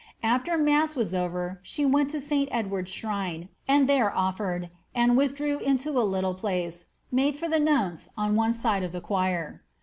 After mass was over she went to St Eld I and there oflfered, and withdrew into a little place made on one side of the choir.